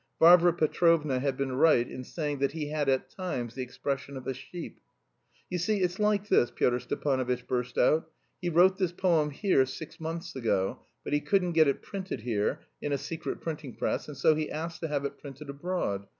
Varvara Petrovna had been right in saying that he had at times the expression of a sheep. "You see, it's like this," Pyotr Stepanovitch burst out. "He wrote this poem here six months ago, but he couldn't get it printed here, in a secret printing press, and so he asks to have it printed abroad....